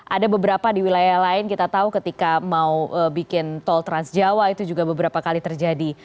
ada beberapa di wilayah lain kita tahu ketika mau bikin tol trans jawa itu juga beberapa kali terjadi